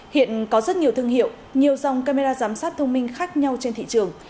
hiện có rất nhiều thương hiệu nhiều dòng camera giám sát thông minh khác nhau trên thị trường